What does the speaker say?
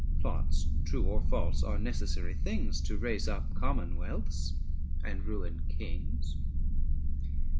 Plots true or false are necessary things, To raise up commonwealths and ruin kings.